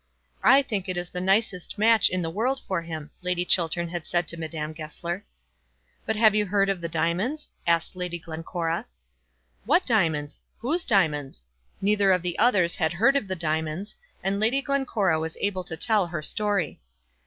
"I think it is the nicest match in the world for him," Lady Chiltern had said to Madame Goesler. "But have you heard of the diamonds?" asked Lady Glencora. "What diamonds?" "Whose diamonds?" Neither of the others had heard of the diamonds, and Lady Glencora was able to tell her story.